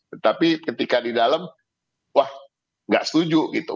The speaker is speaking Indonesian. tetapi ketika di dalam wah nggak setuju gitu